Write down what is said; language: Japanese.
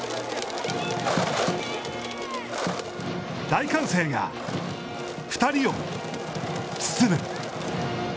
大歓声が２人を包む。